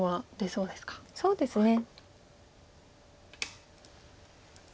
そうですね。